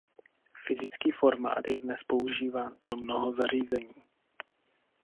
Fyzický formát je dnes používán pro mnoho zařízení.